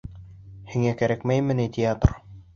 Һиңә кәрәкмәйме ни театр?